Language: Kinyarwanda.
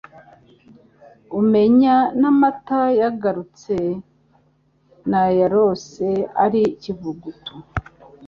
Umenya n'amata yagarutse. Nayarose ari ikivutu,